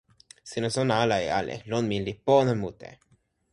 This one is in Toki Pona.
sina sona ala e ale. lon mi li pona mute.